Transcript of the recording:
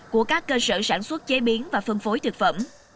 của các cơ sở sản xuất chế biến và phân phối thực phẩm